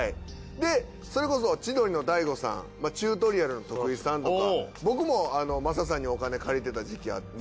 でそれこそ千鳥の大悟さんチュートリアルの徳井さんとか僕も雅さんにお金借りてた時期あって。